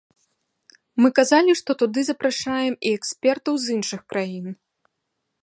Мы казалі, што туды запрашаем і экспертаў з іншых краін.